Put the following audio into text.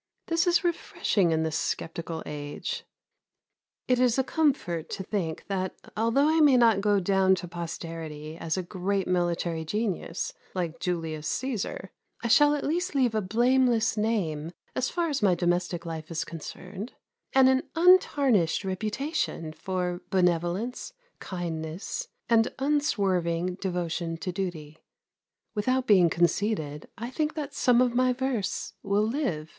This is refreshing in this sceptical age. It is a comfort to think that although I may not go down to posterity as a great military genius like Julius Cæsar, I shall at least leave a blameless name, as far as my domestic life is concerned, and an untarnished reputation for benevolence, kindness, and unswerving devotion to duty. Without being conceited, I think that some of my verse will live.